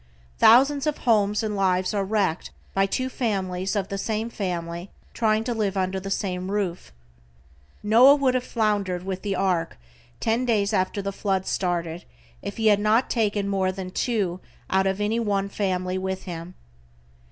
Thousands of homes and lives are wrecked by two families of the same family trying to live under the same roof. Noah would have foundered with the Ark ten days after the flood started if he had taken more than two out of any one family with him.